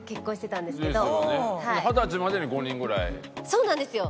そうなんですよ。